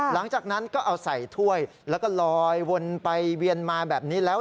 หลังจากนั้นก็เอาใส่ถ้วยแล้วก็ลอยวนไปเวียนมาแบบนี้แล้ว